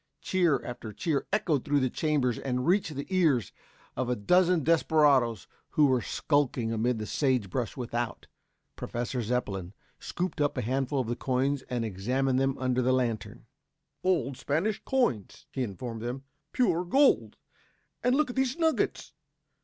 Cheer after cheer echoed through the chambers and reached the ears of a dozen desperadoes who were skulking amid the sage brush without. Professor Zepplin scooped up a handful of the coins and examined them under the lantern. "Old Spanish coins," he informed them. "Pure gold. And look at these nuggets!